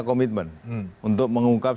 komitmen untuk mengungkap